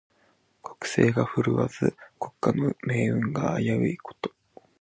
国勢が振るわず、国家の運命が危ういこと。